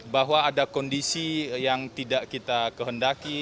bahwa ada kondisi yang tidak kita kehendaki